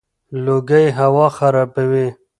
لوګي هوا خرابوي.